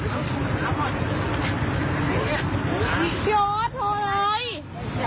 เอาลงมาเลยเพราะว่าหนูเห็นกันมาเลยจริง